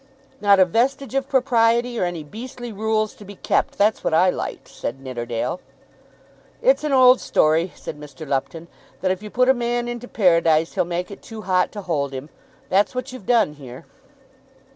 "Not a vestige of propriety, or any beastly rules to be kept! That's what I liked," said Nidderdale. "It's an old story," said Mr. Lupton, "that if you put a man into Paradise he'll make it too hot to hold him. That's what you've done here."